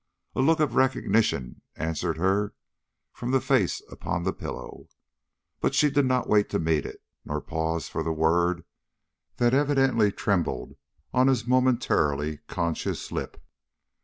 A look of recognition answered her from the face upon the pillow, but she did not wait to meet it, nor pause for the word that evidently trembled on his momentarily conscious lip.